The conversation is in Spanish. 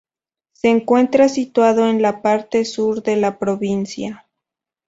Se encuentra situado en la parte sur de la provincia.